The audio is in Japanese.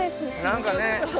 何かね。